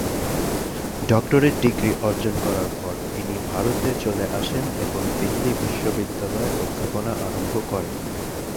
Doctorate degree অর্জন করার পর, তিনি ভারতে চলে আসেন এবং দিল্লী বিশ্ববিদ্যালয়ে অধ্যাপনা আরম্ভ করেন।